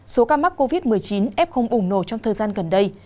số ca mắc covid một mươi chín ép không ủng nổ trong thời gian gần đây